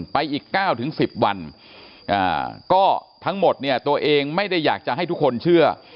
อีก๙๑๐วันก็ทั้งหมดเนี่ยตัวเองไม่ได้อยากจะให้ทุกคนเชื่อ